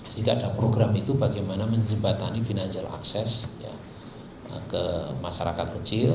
jadi ada program itu bagaimana menjembatani financial access ke masyarakat